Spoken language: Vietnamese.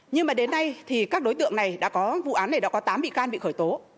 nhưng mà đến nay thì các đối tượng này đã có vụ án này đã có tám bị can bị khởi tố